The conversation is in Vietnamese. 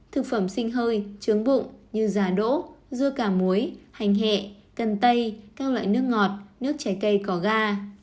thực phẩm sinh hơi trướng bụng như già đỗ dưa cà muối hành hẹ cần tây các loại nước ngọt nước trái cây có ga